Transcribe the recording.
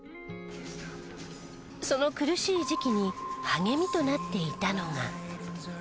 その苦しい時期に励みとなっていたのが。